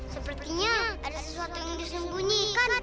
sepertinya ada sesuatu yang disembunyikan